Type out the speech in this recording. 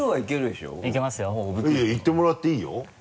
いやいってもらっていいよ。